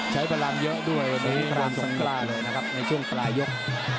ใช้เวลาเยอะด้วยตรงคลัมสงกราศเลยนะครับในช่วงปลายยก